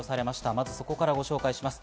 まずそこからご紹介します。